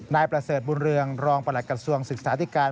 นายประเสริฐบุญเรืองรองประหลักกระทรวงศึกษาธิการ